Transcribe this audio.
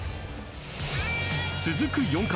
続く４回。